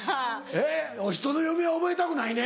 えっ人の嫁は覚えたくないね。